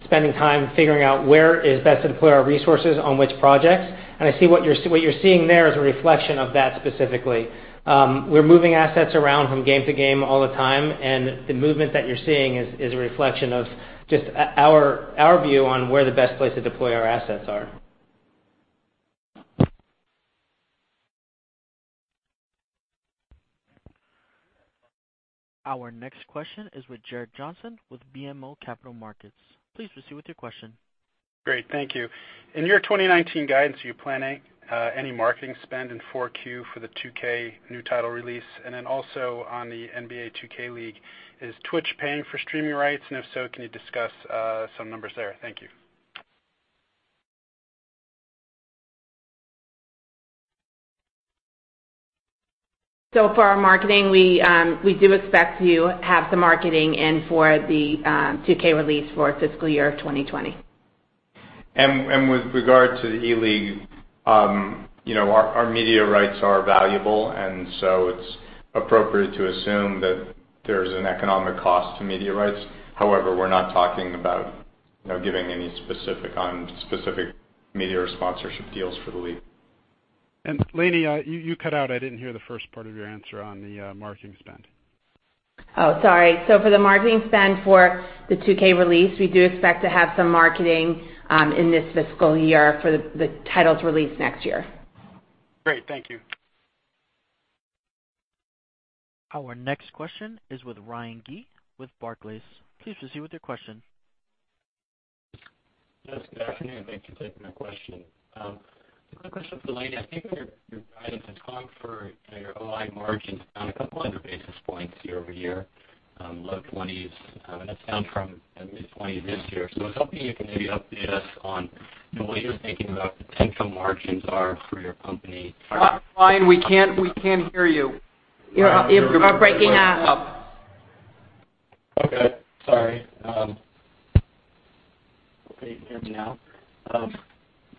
spending time figuring out where is best to deploy our resources on which projects. I see what you are seeing there is a reflection of that specifically. We are moving assets around from game to game all the time, and the movement that you are seeing is a reflection of just our view on where the best place to deploy our assets are. Our next question is with Gerrick Johnson with BMO Capital Markets. Please proceed with your question. Great. Thank you. In your 2019 guidance, are you planning any marketing spend in 4Q for the 2K new title release? Also on the NBA 2K League, is Twitch paying for streaming rights? If so, can you discuss some numbers there? Thank you. For our marketing, we do expect to have the marketing in for the 2K release for fiscal year 2020. With regard to the E League, our media rights are valuable, it's appropriate to assume that there's an economic cost to media rights. However, we're not talking about giving any specifics on specific media or sponsorship deals for the league. Lainie, you cut out. I didn't hear the first part of your answer on the marketing spend. Oh, sorry. For the marketing spend for the 2K release, we do expect to have some marketing in this fiscal year for the title's release next year. Great. Thank you. Our next question is with Ryan Gee with Barclays. Please proceed with your question. Yes. Good afternoon. Thanks for taking my question. A quick question for Lainie. I think in your guidance, it's calling for your OI margins down a couple 100 basis points year-over-year, low 20s. That's down from mid-20s this year. I was hoping you can maybe update us on what you're thinking about the potential margins are for your company. Ryan, we can't hear you. You are breaking up. Okay. Sorry. Hopefully, you can hear me now. This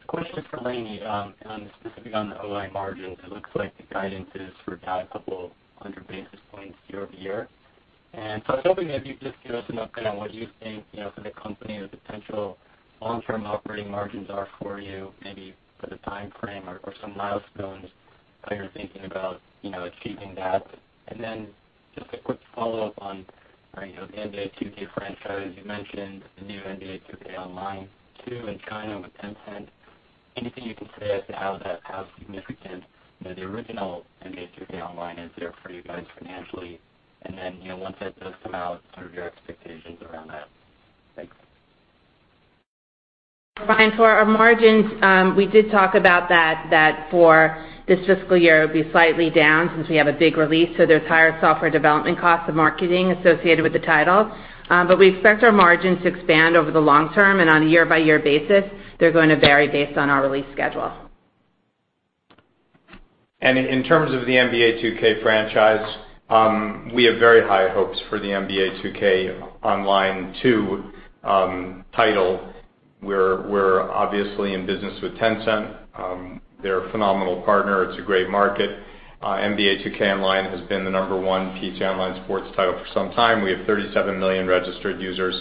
question is for Lainie on the specific on the OI margins. It looks like the guidance is for down a couple of 100 basis points year-over-year. I was hoping maybe you could just give us an update on what you think, for the company, the potential long-term operating margins are for you, maybe put a timeframe or some milestones how you're thinking about achieving that. Just a quick follow-up on the NBA 2K franchise. You mentioned the new NBA 2K Online 2 in China with Tencent. Anything you can say as to how significant the original NBA 2K Online is there for you guys financially? Once that does come out, sort of your expectations around that. Thanks. Ryan, for our margins, we did talk about that for this fiscal year, it would be slightly down since we have a big release, so there's higher software development costs and marketing associated with the title. We expect our margins to expand over the long term and on a year-by-year basis, they're going to vary based on our release schedule. In terms of the NBA 2K franchise, we have very high hopes for the NBA 2K Online 2 title. We're obviously in business with Tencent. They're a phenomenal partner. It's a great market. NBA 2K Online has been the number 1 PC online sports title for some time. We have 37 million registered users.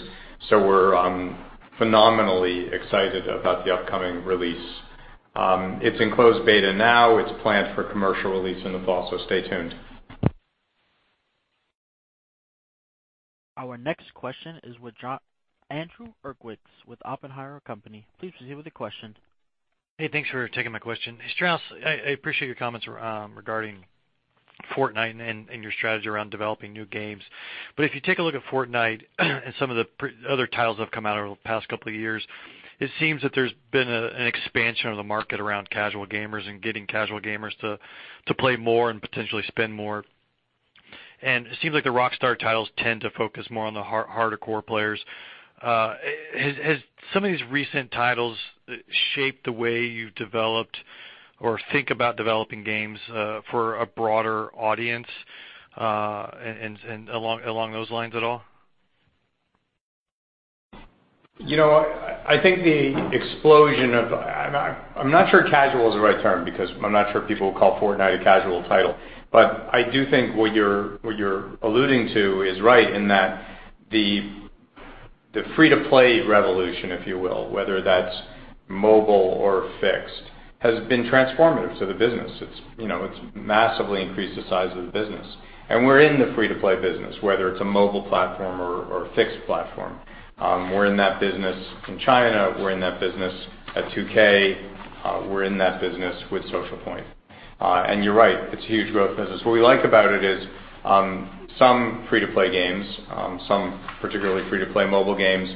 We're phenomenally excited about the upcoming release. It's in closed beta now. It's planned for commercial release in the fall. Stay tuned. Our next question is with Andrew Uerkwitz with Oppenheimer. Please proceed with your question. Hey, thanks for taking my question. Strauss, I appreciate your comments regarding Fortnite and your strategy around developing new games. If you take a look at Fortnite and some of the other titles that have come out over the past couple of years, it seems that there's been an expansion of the market around casual gamers and getting casual gamers to play more and potentially spend more. It seems like the Rockstar titles tend to focus more on the harder core players. Has some of these recent titles shaped the way you've developed or think about developing games for a broader audience, and along those lines at all? I'm not sure casual is the right term because I'm not sure people call Fortnite a casual title. I do think what you're alluding to is right in that the free-to-play revolution, if you will, whether that's mobile or fixed, has been transformative to the business. It's massively increased the size of the business. We're in the free-to-play business, whether it's a mobile platform or a fixed platform. We're in that business in China, we're in that business at 2K, we're in that business with Social Point. You're right. It's a huge growth business. What we like about it is some free-to-play games, some particularly free-to-play mobile games,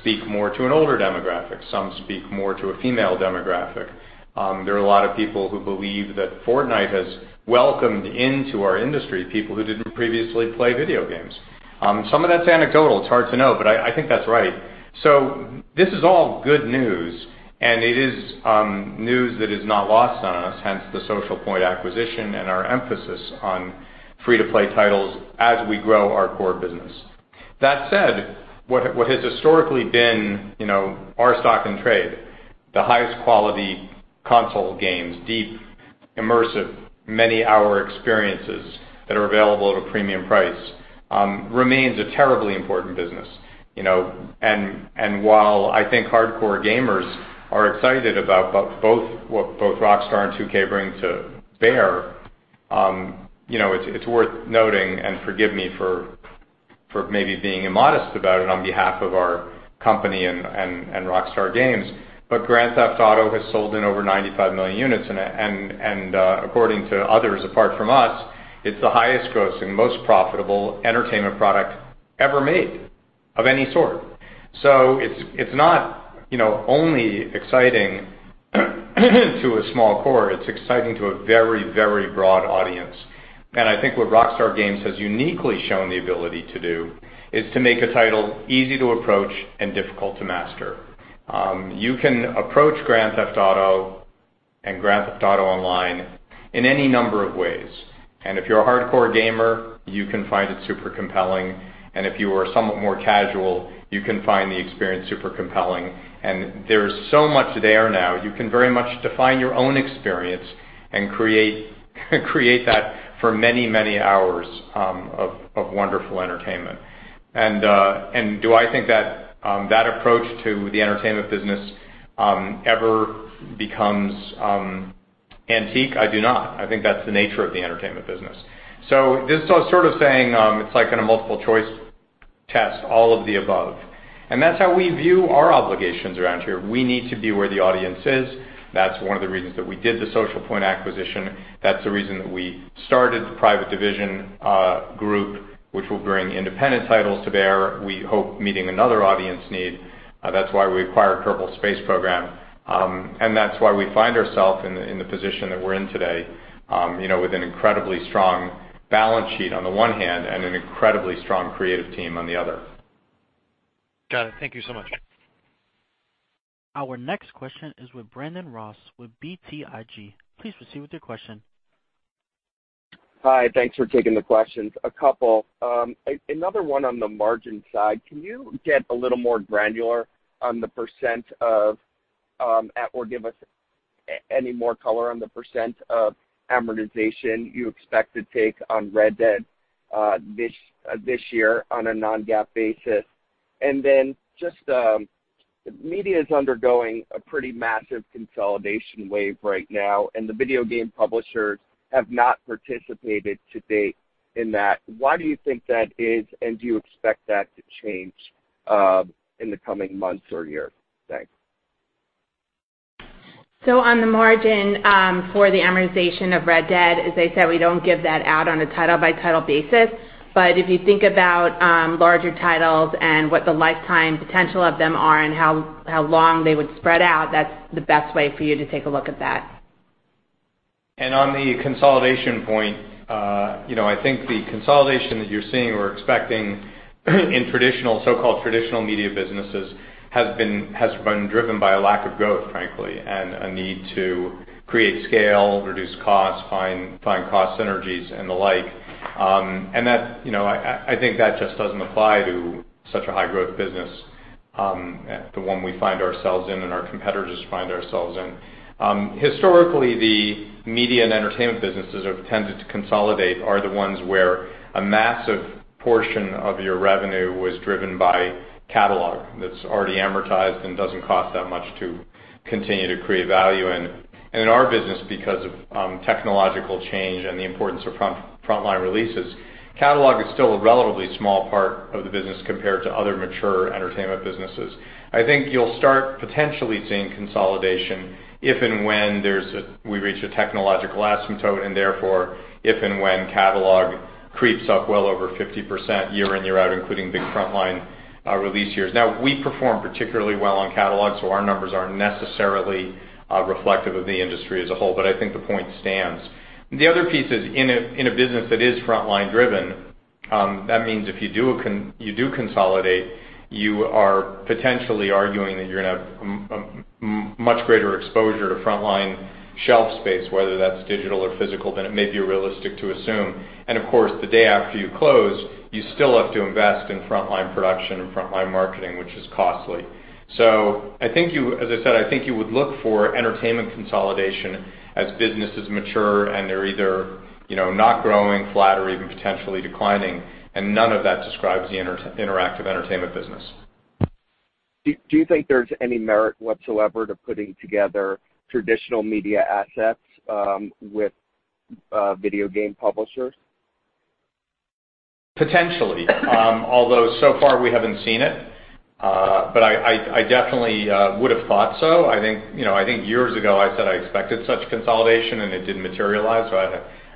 speak more to an older demographic. Some speak more to a female demographic. There are a lot of people who believe that Fortnite has welcomed into our industry people who didn't previously play video games. Some of that's anecdotal. It's hard to know, but I think that's right. This is all good news, and it is news that is not lost on us, hence the Social Point acquisition and our emphasis on free-to-play titles as we grow our core business. That said, what has historically been our stock and trade, the highest quality console games, deep, immersive, many-hour experiences that are available at a premium price, remains a terribly important business. While I think hardcore gamers are excited about what both Rockstar and 2K bring to bear, it's worth noting, and forgive me for maybe being immodest about it on behalf of our company and Rockstar Games, Grand Theft Auto has sold in over 95 million units. According to others apart from us, it's the highest grossing, most profitable entertainment product ever made of any sort. It's not only exciting to a small core. It's exciting to a very, very broad audience. I think what Rockstar Games has uniquely shown the ability to do is to make a title easy to approach and difficult to master. You can approach Grand Theft Auto and Grand Theft Auto Online in any number of ways. If you're a hardcore gamer, you can find it super compelling. If you are somewhat more casual, you can find the experience super compelling. There is so much there now. You can very much define your own experience and create that for many, many hours of wonderful entertainment. Do I think that approach to the entertainment business ever becomes antique? I do not. I think that's the nature of the entertainment business. This is sort of saying it's like in a multiple choice test, all of the above. That's how we view our obligations around here. We need to be where the audience is. That's one of the reasons that we did the Social Point acquisition. That's the reason that we started the Private Division group, which will bring independent titles to bear, we hope meeting another audience need. That's why we acquired Kerbal Space Program. That's why we find ourselves in the position that we're in today, with an incredibly strong balance sheet on the one hand, and an incredibly strong creative team on the other. Got it. Thank you so much. Our next question is with Brandon Ross with BTIG. Please proceed with your question. Hi. Thanks for taking the questions. A couple. Another one on the margin side, can you get a little more granular on the % of, or give us any more color on the % of amortization you expect to take on Red Dead this year on a non-GAAP basis? Media's undergoing a pretty massive consolidation wave right now, and the video game publishers have not participated to date in that. Why do you think that is, and do you expect that to change in the coming months or year? Thanks. On the margin for the amortization of Red Dead, as I said, we don't give that out on a title-by-title basis. If you think about larger titles and what the lifetime potential of them are and how long they would spread out, that's the best way for you to take a look at that. On the consolidation point, I think the consolidation that you're seeing or expecting in so-called traditional media businesses has been driven by a lack of growth, frankly, and a need to create scale, reduce costs, find cost synergies, and the like. I think that just doesn't apply to such a high-growth business, the one we find ourselves in and our competitors find ourselves in. Historically, the media and entertainment businesses that have tended to consolidate are the ones where a massive portion of your revenue was driven by catalog that's already amortized and doesn't cost that much to continue to create value in. In our business, because of technological change and the importance of frontline releases, catalog is still a relatively small part of the business compared to other mature entertainment businesses. I think you'll start potentially seeing consolidation if and when we reach a technological asymptote, and therefore, if and when catalog creeps up well over 50% year in, year out, including big frontline release years. Now, we perform particularly well on catalog, so our numbers aren't necessarily reflective of the industry as a whole, but I think the point stands. The other piece is in a business that is frontline driven, that means if you do consolidate, you are potentially arguing that you're going to have much greater exposure to frontline shelf space, whether that's digital or physical, than it may be realistic to assume. Of course, the day after you close, you still have to invest in frontline production and frontline marketing, which is costly. As I said, I think you would look for entertainment consolidation as businesses mature and they're either not growing, flat, or even potentially declining, and none of that describes the interactive entertainment business. Do you think there's any merit whatsoever to putting together traditional media assets with video game publishers? Potentially. Although so far we haven't seen it. I definitely would've thought so. I think years ago I said I expected such consolidation, and it didn't materialize.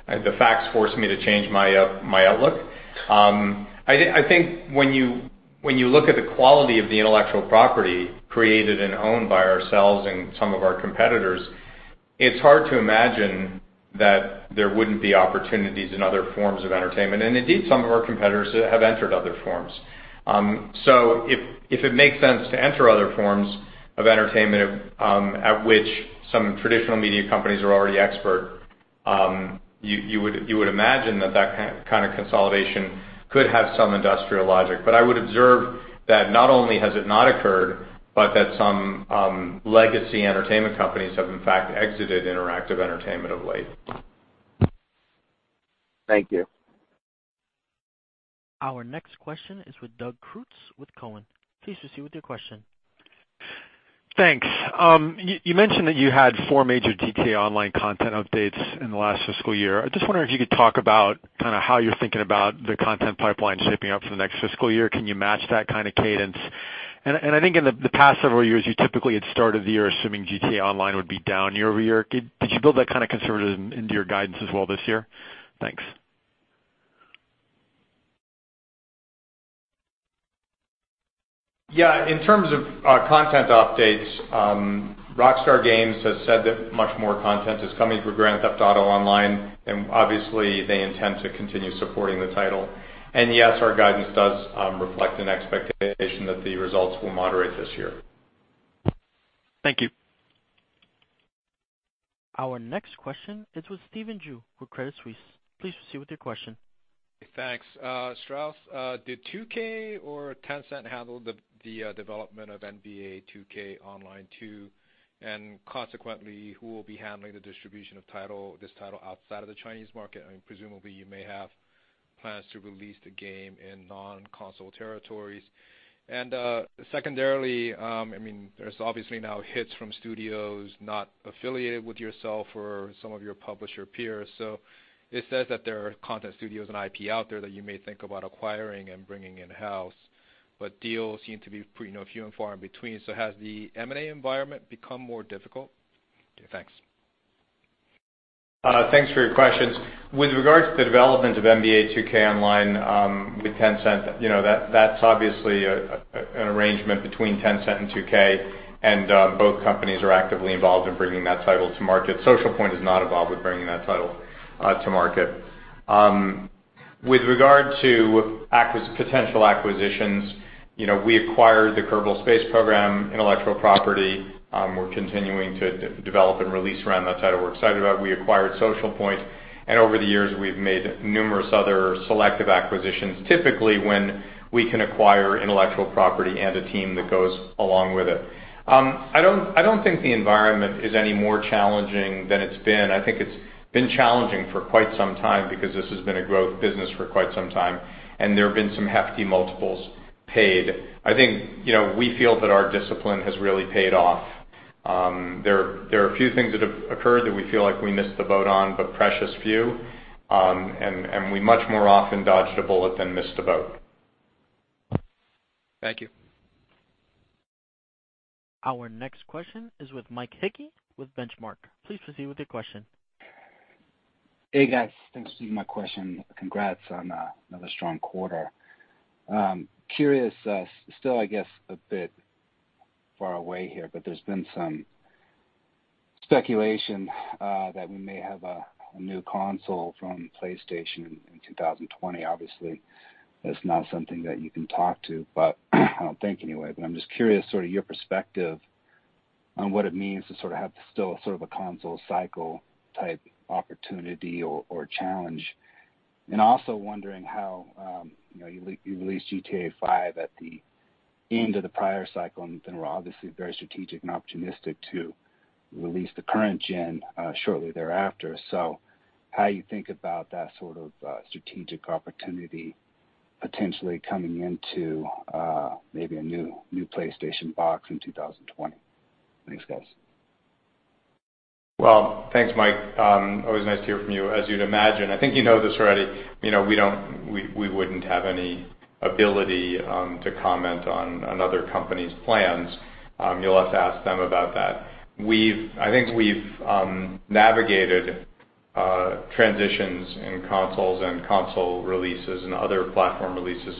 The facts forced me to change my outlook. I think when you look at the quality of the intellectual property created and owned by ourselves and some of our competitors, it's hard to imagine that there wouldn't be opportunities in other forms of entertainment, and indeed, some of our competitors have entered other forms. If it makes sense to enter other forms of entertainment, at which some traditional media companies are already expert you would imagine that kind of consolidation could have some industrial logic. I would observe that not only has it not occurred, but that some legacy entertainment companies have in fact exited interactive entertainment of late. Thank you. Our next question is with Doug Creutz, with Cowen. Please proceed with your question. Thanks. You mentioned that you had four major Grand Theft Auto Online content updates in the last fiscal year. I just wonder if you could talk about how you're thinking about the content pipeline shaping up for the next fiscal year. Can you match that kind of cadence? I think in the past several years, you typically had started the year assuming Grand Theft Auto Online would be down year-over-year. Did you build that kind of conservatism into your guidance as well this year? Thanks. Yeah. In terms of content updates, Rockstar Games has said that much more content is coming for Grand Theft Auto Online, obviously they intend to continue supporting the title. Yes, our guidance does reflect an expectation that the results will moderate this year. Thank you. Our next question is with Stephen Ju, with Credit Suisse. Please proceed with your question. Thanks. Strauss, did 2K or Tencent handle the development of NBA 2K Online 2, consequently, who will be handling the distribution of this title outside of the Chinese market? Presumably you may have plans to release the game in non-console territories. Secondarily, there's obviously now hits from studios not affiliated with yourself or some of your publisher peers. It says that there are content studios and IP out there that you may think about acquiring and bringing in-house, deals seem to be few and far in between. Has the M&A environment become more difficult? Okay, thanks. Thanks for your questions. With regards to the development of NBA 2K Online with Tencent, that's obviously an arrangement between Tencent and 2K, and both companies are actively involved in bringing that title to market. Social Point is not involved with bringing that title to market. With regard to potential acquisitions, we acquired the Kerbal Space Program intellectual property. We're continuing to develop and release around that title. We're excited about it. We acquired Social Point, and over the years, we've made numerous other selective acquisitions, typically when we can acquire intellectual property and a team that goes along with it. I don't think the environment is any more challenging than it's been. I think it's been challenging for quite some time because this has been a growth business for quite some time, and there have been some hefty multiples paid. I think we feel that our discipline has really paid off. There are a few things that have occurred that we feel like we missed the boat on, but precious few, and we much more often dodged a bullet than missed a boat. Thank you. Our next question is with Mike Hickey with Benchmark. Please proceed with your question. Hey, guys. Thanks for taking my question. Congrats on another strong quarter. Curious, still, I guess a bit far away here, but there's been some speculation that we may have a new console from PlayStation in 2020. That's not something that you can talk to, I don't think anyway, but I'm just curious sort of your perspective on what it means to sort of have still a console cycle type opportunity or challenge. Also wondering how you released GTA V at the end of the prior cycle, then were very strategic and opportunistic to release the current gen shortly thereafter. How you think about that sort of strategic opportunity potentially coming into maybe a new PlayStation box in 2020? Thanks, guys. Well, thanks, Mike. Always nice to hear from you. As you'd imagine, I think you know this already, we wouldn't have any ability to comment on another company's plans. You'll have to ask them about that. I think we've navigated transitions in consoles and console releases and other platform releases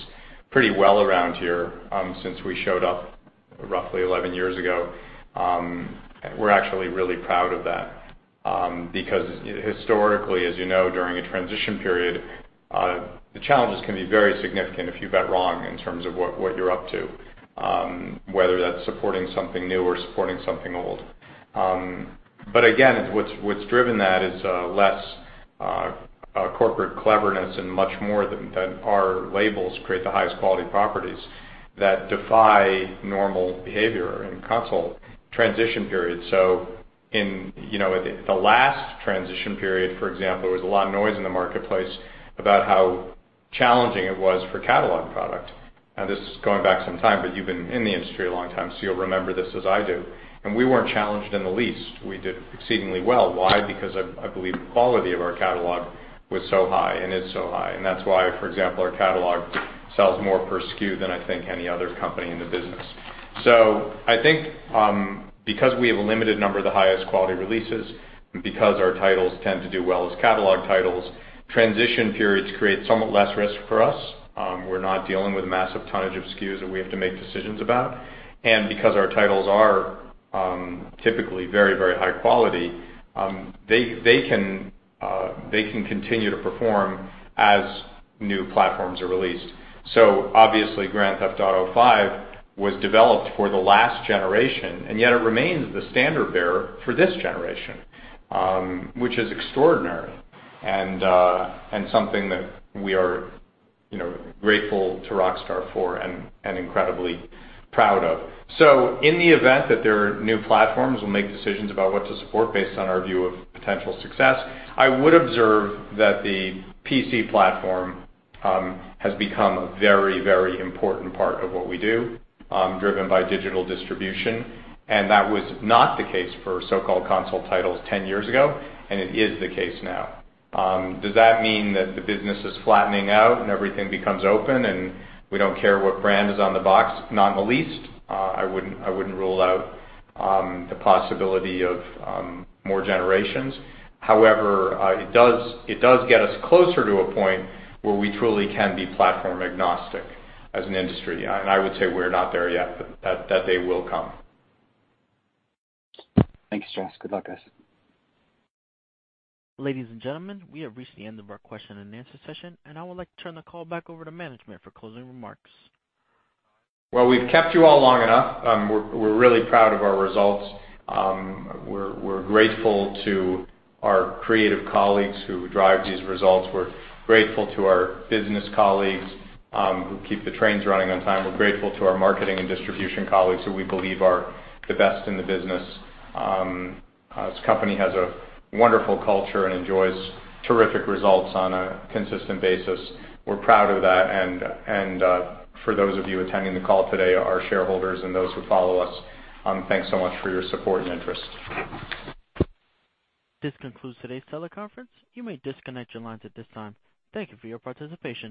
pretty well around here since we showed up roughly 11 years ago. We're actually really proud of that because historically, as you know, during a transition period, the challenges can be very significant if you bet wrong in terms of what you're up to, whether that's supporting something new or supporting something old. Again, what's driven that is less corporate cleverness and much more that our labels create the highest quality properties that defy normal behavior in console transition periods. In the last transition period, for example, there was a lot of noise in the marketplace about how challenging it was for catalog product. This is going back some time, you've been in the industry a long time, you'll remember this as I do. We weren't challenged in the least. We did exceedingly well. Why? Because I believe the quality of our catalog was so high, and is so high. That's why, for example, our catalog sells more per SKU than I think any other company in the business. I think because we have a limited number of the highest quality releases, because our titles tend to do well as catalog titles, transition periods create somewhat less risk for us. We're not dealing with massive tonnage of SKUs that we have to make decisions about. Because our titles are typically very high quality, they can continue to perform as new platforms are released. Obviously, Grand Theft Auto V was developed for the last generation, yet it remains the standard-bearer for this generation, which is extraordinary and something that we are grateful to Rockstar for and incredibly proud of. In the event that there are new platforms, we'll make decisions about what to support based on our view of potential success. I would observe that the PC platform has become a very important part of what we do, driven by digital distribution, that was not the case for so-called console titles 10 years ago, and it is the case now. Does that mean that the business is flattening out and everything becomes open, and we don't care what brand is on the box? Not in the least. I wouldn't rule out the possibility of more generations. However, it does get us closer to a point where we truly can be platform-agnostic as an industry. I would say we're not there yet, but that day will come. Thanks, Strauss. Good luck, guys. Ladies and gentlemen, we have reached the end of our question and answer session, and I would like to turn the call back over to management for closing remarks. Well, we've kept you all long enough. We're really proud of our results. We're grateful to our creative colleagues who drive these results. We're grateful to our business colleagues who keep the trains running on time. We're grateful to our marketing and distribution colleagues, who we believe are the best in the business. This company has a wonderful culture and enjoys terrific results on a consistent basis. We're proud of that. For those of you attending the call today, our shareholders, and those who follow us, thanks so much for your support and interest. This concludes today's teleconference. You may disconnect your lines at this time. Thank you for your participation.